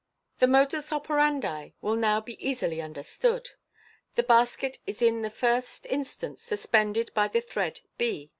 The modus operandi will now be easi ly understood. The bas ket is in the first instance suspended by the thread b.